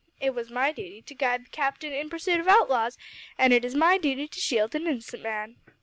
It was my duty to guide the captain in pursuit of outlaws, an' it is my duty to shield an innocent man.